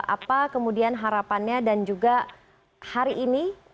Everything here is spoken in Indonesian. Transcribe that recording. apa kemudian harapannya dan juga hari ini